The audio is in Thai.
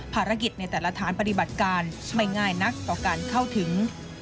ภารกิจในแต่ละฐานปฏิบัติการไม่ง่ายนักต่อการเข้าถึง